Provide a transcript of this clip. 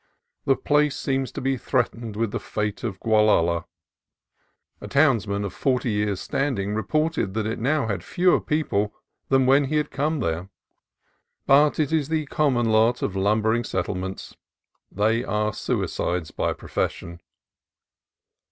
The place seems to be threatened with the fate of Gualala. A townsman of forty years' standing reported that it now had fewer people than when he had come there. But it is the common lot of lumbering settlements; they are suicides by profession.